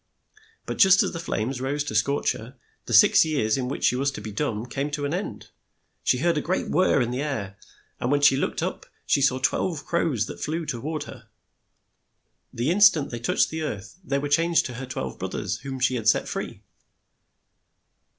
But just as the flames rose to scorch her, the six years in which she was to be dumb came to an end. She heard a great whirr in the air, and when she looked up she saw twelve crows that flew to ward her. The in stant they touched the earth, they were changed to her twelve broth ers whom she had set free.